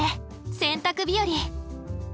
洗濯日和！